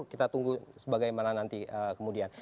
kita tunggu sebagaimana nanti kemudian